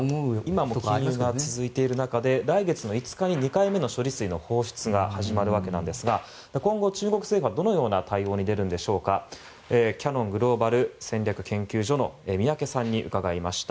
今も禁輸が続いている中で来月５日に２回目の処理水の放出が始まるわけですが今後、中国政府はどんな対応に出るのかキヤノングローバル戦略研究所の宮家さんに伺いました。